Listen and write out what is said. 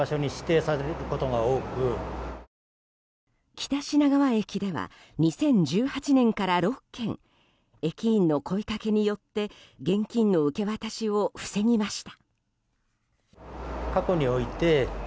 北品川駅では２０１８年から６件駅員の声掛けによって現金の受け渡しを防ぎました。